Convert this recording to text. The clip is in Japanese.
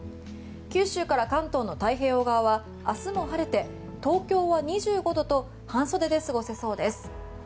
九州から関東の太平洋側は明日も晴れて東京は２５度と半袖で過ごせそうです。